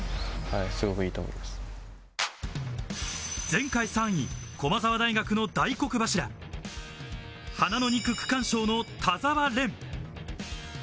前回３位、駒澤大学の大黒柱、花の２区、区間賞の田澤廉。